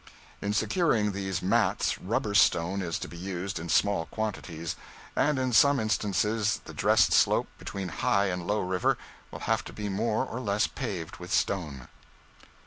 In securing these mats rubble stone is to be used in small quantities, and in some instances the dressed slope between high and low river will have to be more or less paved with stone.